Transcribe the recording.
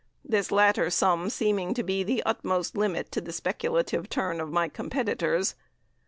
this latter sum seeming to be the utmost limit to the speculative turn of my competitors.